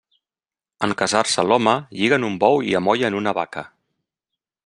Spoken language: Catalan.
En casar-se l'home, lliguen un bou i amollen una vaca.